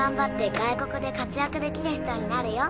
「外国で活やくできる人になるよ」